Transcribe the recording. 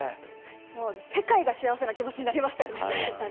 世界が幸せな気持ちになりましたよね。